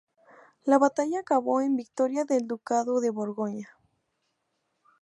La batalla acabó en victoria del ducado de Borgoña.